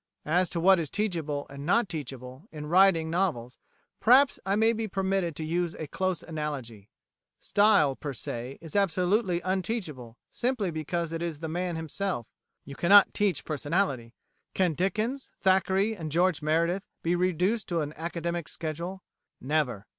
As to what is teachable, and not teachable, in writing novels, perhaps I may be permitted to use a close analogy. Style, per se, is absolutely unteachable simply because it is the man himself; you cannot teach personality. Can Dickens, Thackeray, and George Meredith be reduced to an academic schedule? Never.